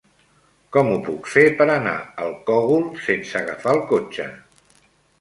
Com ho puc fer per anar al Cogul sense agafar el cotxe?